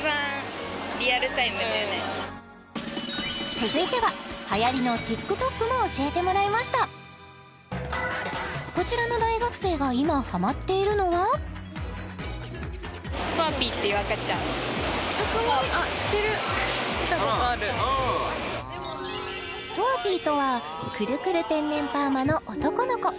続いてははやりのＴｉｋＴｏｋも教えてもらいましたこちらの大学生が今ハマっているのはとあぴーかわいい知ってる見たことあるとあぴーとはクルクル天然パーマの男の子